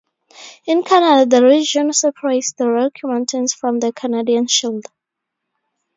In Canada the region separates the Rocky Mountains from the Canadian Shield.